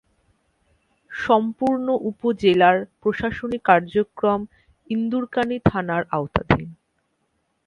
সম্পূর্ণ উপজেলার প্রশাসনিক কার্যক্রম ইন্দুরকানী থানার আওতাধীন।